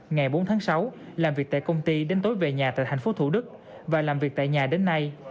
ngày bốn tháng sáu làm việc tại công ty đến tối về nhà tại thành phố thủ đức và làm việc tại nhà đến nay